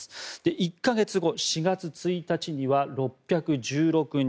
１か月後４月１日には６１６人。